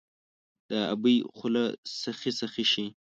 د ابۍ خوله سخي، سخي شي